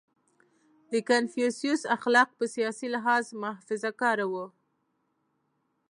• د کنفوسیوس اخلاق په سیاسي لحاظ محافظهکار وو.